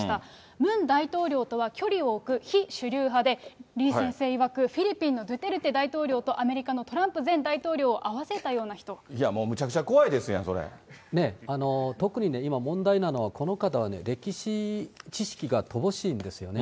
ムン大統領とは距離を置く非主流派で、リ先生いわく、フィリピンのドゥテルテ大統領とアメリカのトランプ前大統領を合もうむちゃくちゃ怖いですや特に問題なのは、この方はね、歴史知識が乏しいんですよね。